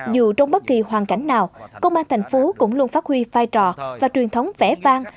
dù trong bất kỳ hoàn cảnh nào công an tp hcm cũng luôn phát huy phai trò và truyền thống vẻ vang